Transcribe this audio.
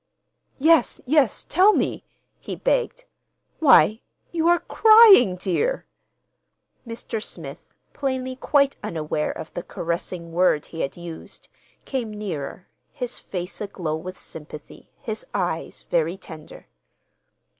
"Yes, yes, tell me," he begged. "Why, you are—crying, dear!" Mr. Smith, plainly quite unaware of the caressing word he had used, came nearer, his face aglow with sympathy, his eyes very tender.